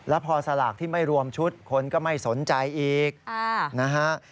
แล้วพอสลากที่ไม่รวมชุดคนก็ไม่สนใจอีกนะฮะ